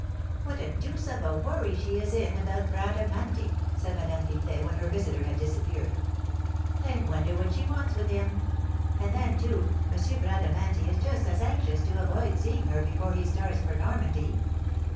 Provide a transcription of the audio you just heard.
"What a deuce of a worry she is in about Bradamanti!" said Madame Pipelet, when her visitor had disappeared. "I wonder what she wants with him? And then, too, M. Bradamanti is just as anxious to avoid seeing her before he starts for Normandy.